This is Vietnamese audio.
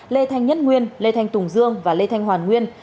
lê thanh nhất nguyên lê thanh tùng dương và lê thanh hoàn nguyên